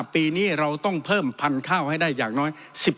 ปีนี้เราต้องเพิ่มพันธุ์ข้าวให้ได้อย่างน้อย